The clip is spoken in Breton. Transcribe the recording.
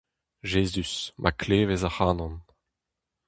Jezuz, ma klevez ac'hanon…